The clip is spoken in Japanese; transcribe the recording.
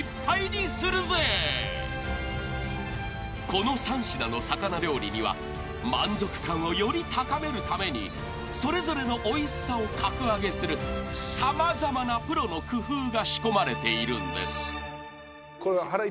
［この３品の魚料理には満足感をより高めるためにそれぞれのおいしさを格上げする様々なプロの工夫が仕込まれているんです］